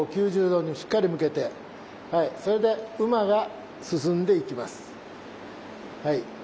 ９０度にしっかり向けてそれで馬が進んでいきます。